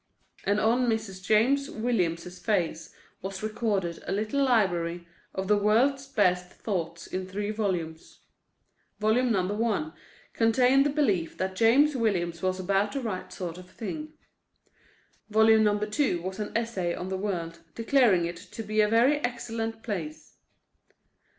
And on Mrs. James Williams's face was recorded a little library of the world's best thoughts in three volumes. Volume No. 1 contained the belief that James Williams was about the right sort of thing. Volume No. 2 was an essay on the world, declaring it to be a very excellent place.